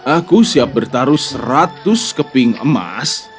aku siap bertaruh seratus keping emas